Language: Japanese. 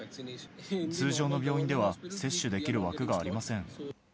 通常の病院では、接種できる枠がありません。